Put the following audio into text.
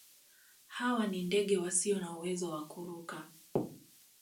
Hawa ni ndege wasio na uwezo wa kuruka.